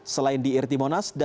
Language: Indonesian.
selain di irti monas dan istiqlal